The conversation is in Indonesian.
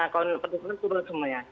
kebetulan turun semuanya